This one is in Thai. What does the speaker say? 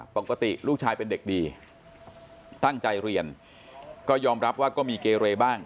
ปกติลูกชายเป็นเด็กดีตั้งใจเรียนก็ยอมรับว่าก็มีเกเรบ้าง